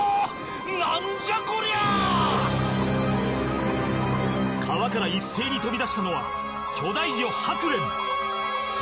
何じゃこりゃ川から一斉に飛び出したのは巨大魚ハクレン